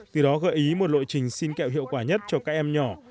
từ đó gợi ý một lộ trình xin kẹo hiệu quả nhất cho các em nhỏ